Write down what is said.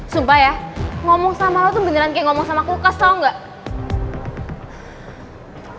sumpah ya ngomong sama lo tuh beneran kayak ngomong sama kulkas tau gak